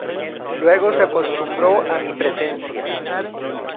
Luego se acostumbró a mi presencia.